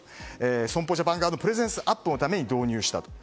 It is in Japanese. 損保ジャパン側のプレゼンスアップのために導入したと。